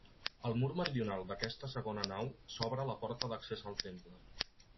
Al mur meridional d'aquesta segona nau s'obre la porta d'accés al temple.